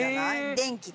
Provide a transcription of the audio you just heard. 電気で。